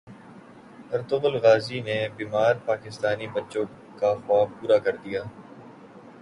Ertugrul غازی نے بیمار پاکستانی بچوں کا خواب پورا کردیا